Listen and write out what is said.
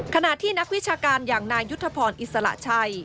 ขณะที่นักวิชาการอย่างนายยุทธพรอิสระชัย